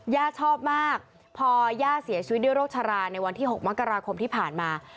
ย่าชอบมากพอย่าเสียชีวิตด้วยโรคชราในวันที่๖มกราคมที่ผ่านมา